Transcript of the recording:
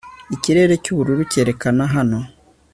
ikirere cyubururu cyerekana hano